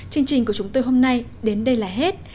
chương trình của chúng tôi hôm nay đến đây là hết